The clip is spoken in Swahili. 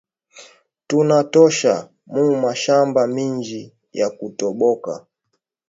Tuna tosha mu mashamba minji ya ku toboka